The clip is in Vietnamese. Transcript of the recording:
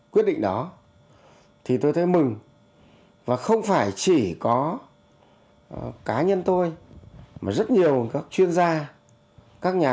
quyết định đó thì tôi thấy mừng và không phải chỉ có cá nhân tôi mà rất nhiều các chuyên gia các nhà